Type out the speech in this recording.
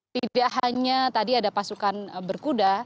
tidak hanya tadi ada pasukan berkuda